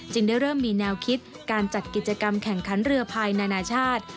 ได้เริ่มมีแนวคิดการจัดกิจกรรมแข่งขันเรือภายนานาชาติ